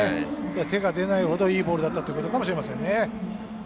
手が出ないほどいいボールだったということかもしれませんね。